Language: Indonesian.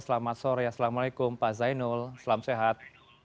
selamat sore assalamualaikum pak zainul selamat sehat